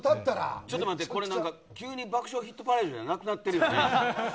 ちょっと待って、急に「爆笑ヒットパレード」じゃなくなってるよね。